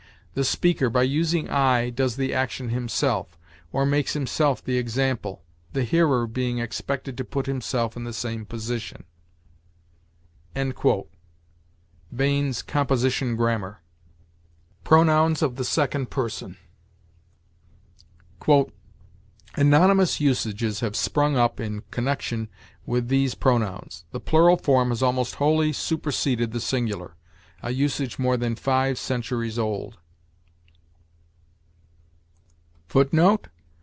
The speaker, by using 'I,' does the action himself, or makes himself the example, the hearer being expected to put himself in the same position." Bain's "Composition Grammar." PRONOUNS OF THE SECOND PERSON. "Anomalous usages have sprung up in connection with these pronouns. The plural form has almost wholly superseded the singular; a usage more than five centuries old.